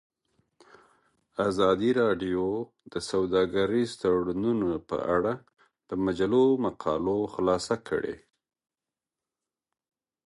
ازادي راډیو د سوداګریز تړونونه په اړه د مجلو مقالو خلاصه کړې.